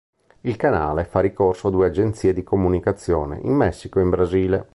Il canale fa ricorso a due agenzie di comunicazione, in Messico e in Brasile.